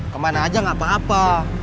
kemana aja gak apa apa